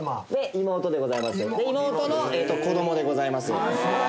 妹の子どもでございます。